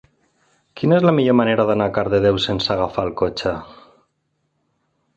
Quina és la millor manera d'anar a Cardedeu sense agafar el cotxe?